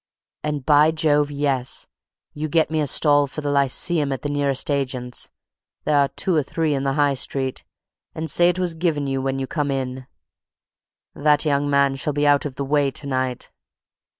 And, by Jove, yes! You get me a stall for the Lyceum at the nearest agent's; there are two or three in High Street; and say it was given you when you come in. That young man shall be out of the way to night."